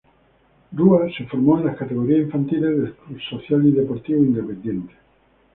Rúa se formó en las categorías infantiles del Club Social y Deportivo Independiente.